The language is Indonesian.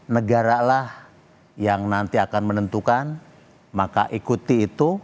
negaralah yang nanti akan menentukan maka ikuti itu